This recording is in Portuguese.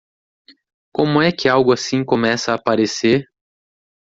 Como é que algo assim começa a aparecer?